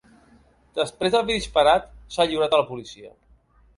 Després d’haver disparat, s’ha lliurat a la policia.